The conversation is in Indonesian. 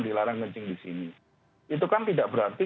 dilarang kencing disini itu kan tidak berarti